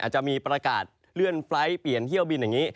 จะมีประกาศเลื่อนไฟล์ทเปลี่ยนเที่ยวบินอย่างนี้